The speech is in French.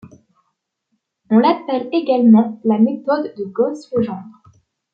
On l'appelle également la méthode de Gauss-Legendre.